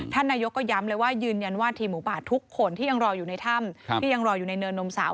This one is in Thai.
ท่านนายกก็ย้ำเลยว่ายืนยันว่าทีหมูบาดทุกคนที่ยังรออยู่ในถ้ำ